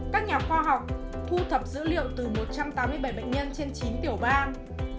các nhà khoa học thu thập dữ liệu từ một trăm tám mươi bảy bệnh nhân trên chín tiểu ban